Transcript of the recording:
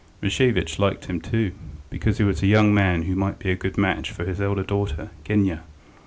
Rashevitch liked him too, because he was a young man who might be a good match for his elder daughter, Genya.